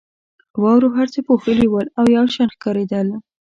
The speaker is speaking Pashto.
واورو هر څه پوښلي ول او یو شان ښکارېدل.